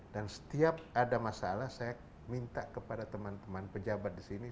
dan setiap ada masalah saya minta kepada teman teman pejabat disini